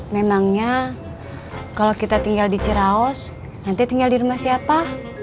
memangnya kalau kita tinggal di ceraos nanti tinggal di rumah siapa